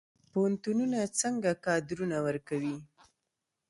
پوهنتونونه څنګه کادرونه ورکوي؟